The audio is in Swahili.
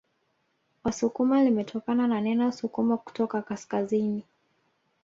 Wasukuma limetokana na neno sukuma kutoka kaskazini